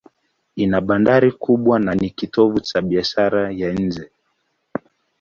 Ina bandari kubwa na ni kitovu cha biashara ya nje.